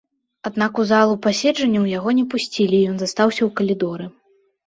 Аднак у залу пасяджэнняў яго не пусцілі і ён застаўся ў калідоры.